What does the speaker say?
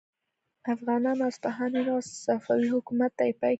افغانانو اصفهان ونیو او صفوي حکومت ته یې پای کیښود.